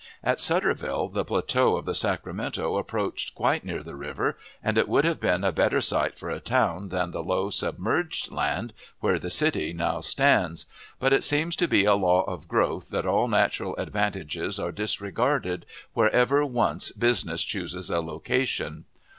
At Sutterville, the plateau of the Sacramento approached quite near the river, and it would have made a better site for a town than the low, submerged land where the city now stands; but it seems to be a law of growth that all natural advantages are disregarded wherever once business chooses a location.